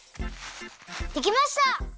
できました！